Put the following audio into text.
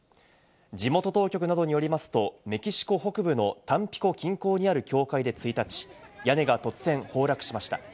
地元当局などによりますと、メキシコ北部のタンピコ近郊にある教会で１日、屋根が突然、崩落しました。